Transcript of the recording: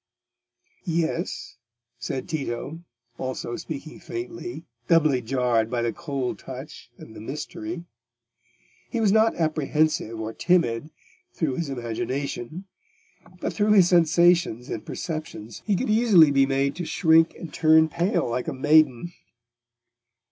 "Yes," said Tito, also speaking faintly, doubly jarred by the cold touch and the mystery. He was not apprehensive or timid through his imagination, but through his sensations and perceptions he could easily be made to shrink and turn pale like a maiden.